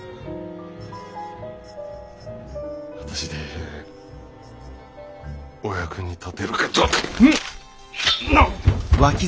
私でお役に立てるかどうか。